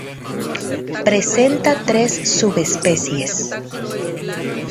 Presenta tres subespecies.